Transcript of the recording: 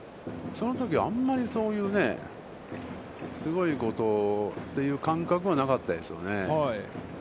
そのときはあんまりそういうすごいことという感覚はなかったですよね。